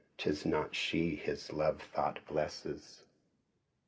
'Tis not she his love thought blesses.